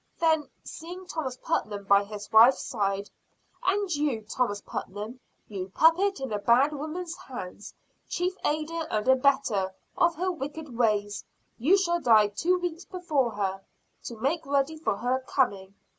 Then, seeing Thomas Putnam by his wife's side, "And you, Thomas Putnam, you puppet in a bad woman's hands, chief aider and abettor of her wicked ways, you shall die two weeks before her, to make ready for her coming!